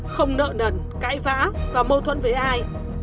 không nợ nần cãi vã và mâu thuẫn với ai